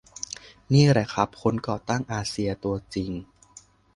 นี่แหละครับคนก่อตั้งอาเซียตัวจริง